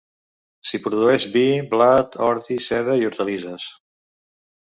S'hi produeix vi, blat, ordi, seda i hortalisses.